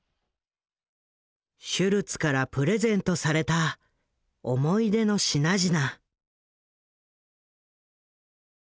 シュルツからプレゼントされた思い出の品々。